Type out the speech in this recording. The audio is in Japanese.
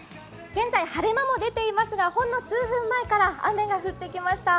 現在晴れ間も出ていますが、ほんの数分前から雨が降ってきました。